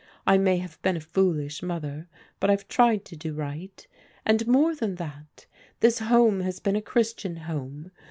I may have been a foolish mother, but I've tried to do right. And more than that, this home has been a Chris tian home.